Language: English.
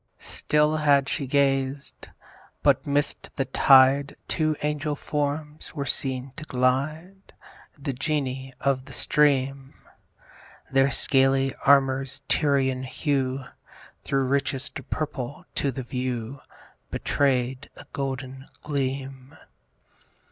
Still had she gazed; but 'midst the tide Two angel forms were seen to glide, The Genii of the stream: Their scaly armour's Tyrian hue Thro' richest purple to the view Betray'd a golden gleam.